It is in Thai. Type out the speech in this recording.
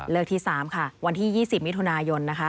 เลิกที่๓ค่ะวันที่๒๐วิทยุณายน